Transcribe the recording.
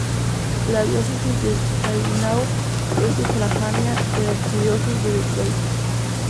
La Diócesis de Saginaw es sufragánea de la Arquidiócesis de Detroit.